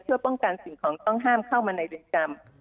เพื่อป้องกันสิ่งของต้องห้ามเข้ามาในเรือนจำ